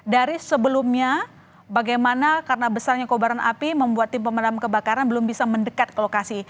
dari sebelumnya bagaimana karena besarnya kobaran api membuat tim pemadam kebakaran belum bisa mendekat ke lokasi